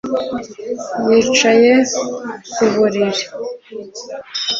Yicaye ku buriri